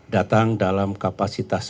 datang dalam kapasitas